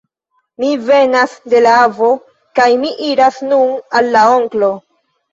Mi venas de la avo; kaj mi iras nun al la onklo.